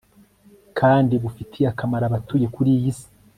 kandi bufitiye akamaro abatuye kuri iyi si